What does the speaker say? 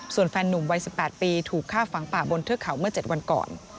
ส่วนแฟนนุ่มวัย๑๘ปีถูกฆ่าฝังป่าบนเทือกเขาเมื่อ๗วันก่อน